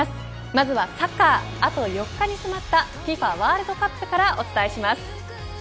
まずはサッカーあと４日に迫ったＦＩＦＡワールドカップからお伝えします。